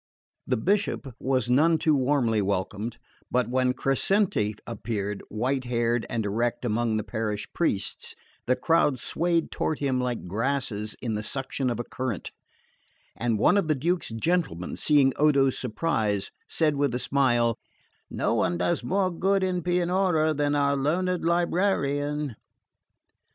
The Bishop was none too warmly welcomed; but when Crescenti appeared, white haired and erect among the parish priests, the crowd swayed toward him like grasses in the suction of a current; and one of the Duke's gentlemen, seeing Odo's surprise, said with a smile: "No one does more good in Pianura than our learned librarian."